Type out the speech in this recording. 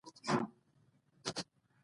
ووځه.